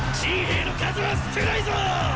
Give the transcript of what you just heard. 秦兵の数は少ないぞォ！